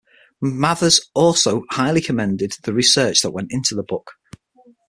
Mathers also highly commended the research that went into the book.